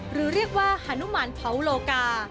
หรือเรียกว่าฮานุมานเผาโลกา